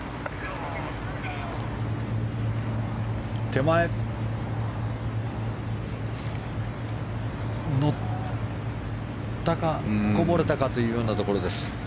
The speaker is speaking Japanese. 手前、乗ったかこぼれたかというところです。